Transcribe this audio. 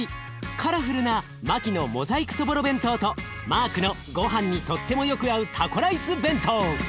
カラフルなマキのモザイクそぼろ弁当とマークのごはんにとってもよく合うタコライス弁当。